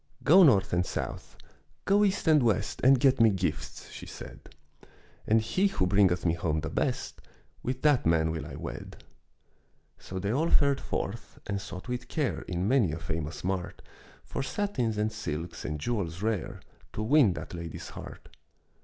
"Go north and south, go east and west, And get me gifts," she said. "And he who bringeth me home the best, With that man will I wed." So they all fared forth, and sought with care In many a famous mart, For satins and silks and jewels rare, To win that lady's heart.